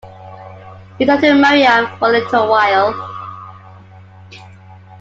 He talked to Miriam for a little while.